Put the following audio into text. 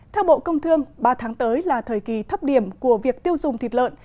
theo bộ công thương ba tháng tới là thời kỳ thấp điểm của việc tiêu dùng thịt lợn